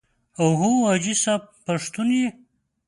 او هو حاجي صاحب پښتون یې.